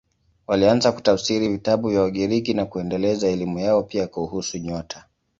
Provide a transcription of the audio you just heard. Walianza kutafsiri vitabu vya Wagiriki na kuendeleza elimu yao, pia kuhusu nyota.